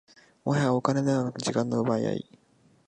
もはやお金ではなく時間の奪い合い